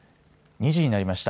２時になりました。